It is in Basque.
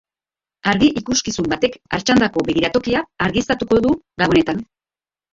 Argi-ikuskizun batek Artxandako begiratokia argiztatuko du Gabonetan.